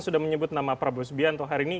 sudah menyebut nama prabowo subianto hari ini